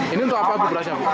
ini untuk apa berasnya